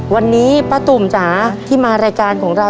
วันนี้ป้าตุ่มจ๋าที่มารายการของเรา